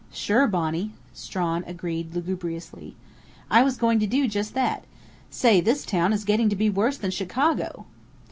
"Sure, Bonnie," Strawn agreed lugubriously. "I was going to do just that.... Say, this town is getting to be worse than Chicago!"